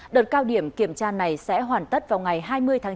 đợt cao điểm kiểm tra này sẽ hoàn tất vào ngày hai mươi tháng bốn